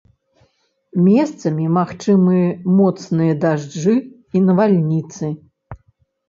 Месцамі магчымыя моцныя дажджы і навальніцы.